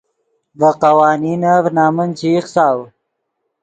ڤے قوانینف نمن چے ایخساؤ